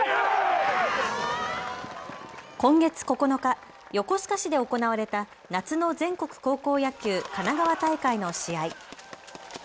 今月９日、横須賀市で行われた夏の全国高校野球神奈川大会の試合。